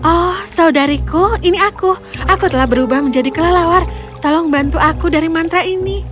oh saudariku ini aku aku telah berubah menjadi kelelawar tolong bantu aku dari mantra ini